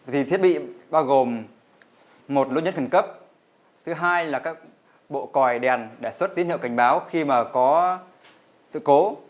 thì thiết bị bao gồm một lô nhất khẩn cấp thứ hai là các bộ còi đèn để xuất tín hiệu cảnh báo khi mà có sự cố